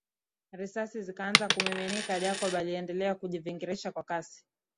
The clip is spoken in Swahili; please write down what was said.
Risasi zikaanza kumiminika Jacob aliendelea kujiviringisha kwa kasi